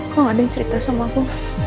kau aneh cerita sama aku